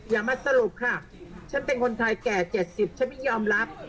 อย่ามาสรุปค่ะฉันเป็นคนไทยแก่๗๐ฉันไม่ยอมรับ